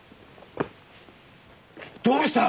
どうした！？